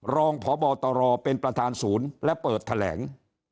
รองพบตรเป็นประธานศูนย์และเปิดแถลง